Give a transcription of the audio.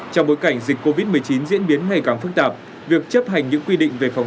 trong bối cảnh dịch covid một mươi chín diễn biến ngày càng phức tạp việc chấp hành những quy định về phòng